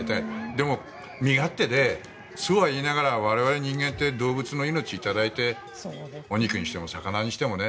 でも、身勝手でそうは言いながら我々人間って動物の命を頂いてお肉にしても魚にしてもね。